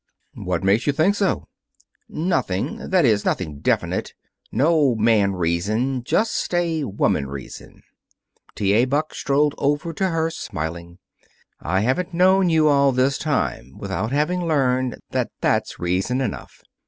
"What makes you think so?" "Nothing. That is, nothing definite. No man reason. Just a woman reason." T. A. Buck strolled over to her, smiling. "I haven't known you all this time without having learned that that's reason enough.